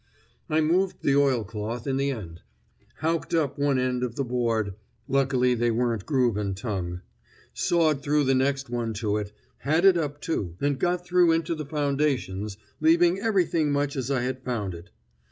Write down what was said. "I moved the oilcloth, in the end; howked up one end of the board (luckily they weren't groove and tongue), sawed through the next one to it, had it up, too, and got through into the foundations, leaving everything much as I had found it.